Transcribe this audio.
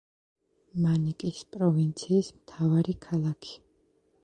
მანიკის პროვინციის მთავარი ქალაქი.